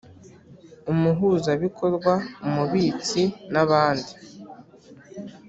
Umuhuzabikorwa ,umubitsi n,abandi